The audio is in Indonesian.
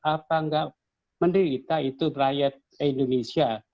apa enggak menderita itu rakyat indonesia